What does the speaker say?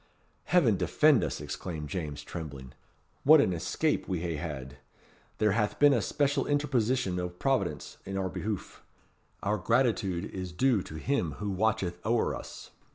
"Heaven defend us!" exclaimed James, trembling. "What an escape we hae had. There hath been a special interposition o' Providence in our behoof. Our gratitude is due to Him who watcheth ower us."